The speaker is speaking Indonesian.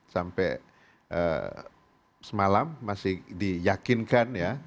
sampai semalam masih diyakinkan ya